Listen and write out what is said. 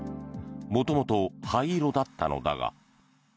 元々、灰色だったのだが。